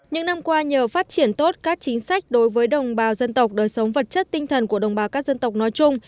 những năm qua nhờ phát triển tốt các chính sách đối với đồng bào dân tộc đời sống vật chất tinh thần của đồng bào các dân tộc nói chung